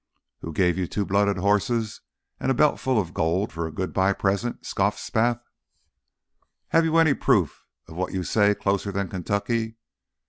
"Who gave you two blooded horses and a belt full of gold for a good by present?" scoffed Spath. "Have you any proof of what you say closer than Kentucky?"